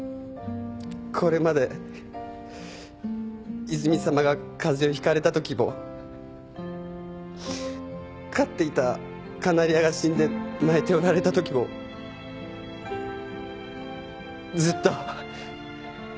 これまで泉さまが風邪をひかれたときも飼っていたカナリアが死んで泣いておられたときもずっと。